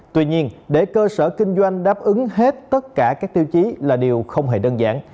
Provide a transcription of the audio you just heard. tuy nhiên để cơ sở kinh doanh đáp ứng hết tất cả các tiêu chí là điều không hề đơn giản